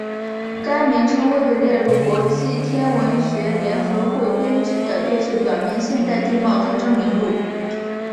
该名称未被列入国际天文学联合会编制的月球表面现代地貌特征名录。